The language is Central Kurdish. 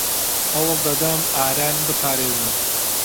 ھەوڵ دەدەم ئاران بپارێزم.